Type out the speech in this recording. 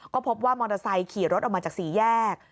ก็พบว่ามอเตอร์ไซค์ขี่รถออกมาจากสี่แยก